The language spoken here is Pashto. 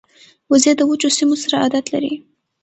وزې د وچو سیمو سره عادت لري